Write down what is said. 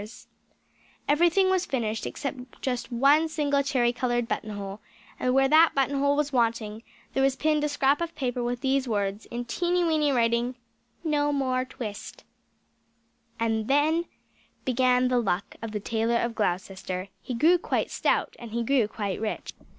Everything was finished except just one single cherry coloured button hole, and where that button hole was wanting there was pinned a scrap of paper with these words in little teeny weeny writing NO MORE TWIST And from then began the luck of the Tailor of Gloucester; he grew quite stout, and he grew quite rich.